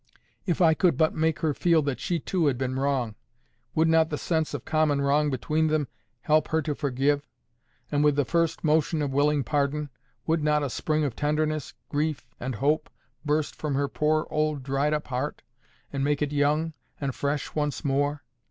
If I could but make her feel that she too had been wrong, would not the sense of common wrong between them help her to forgive? And with the first motion of willing pardon, would not a spring of tenderness, grief, and hope, burst from her poor old dried up heart, and make it young and fresh once more!